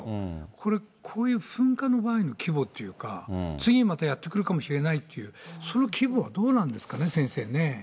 これ、こういう噴火の場合の規模というか、次またやって来るかもしれないっていう、その規模はどうなんですかね、先生ね。